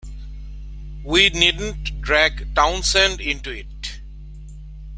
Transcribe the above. We needn't drag Townsend into it.